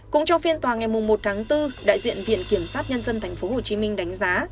cũng trong phiên tòa ngày một tháng bốn đại diện viện kiểm sát nhân dân tp hcm đánh giá